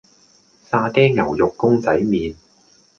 沙爹牛肉公仔麪